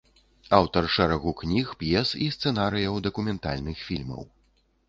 Аўтар шэрагу кніг, п'ес і сцэнарыяў дакументальных фільмаў.